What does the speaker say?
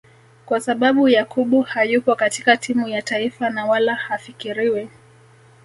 Kwa sababu Yakubu hayupo katika timu ya taifa na wala hafikiriwi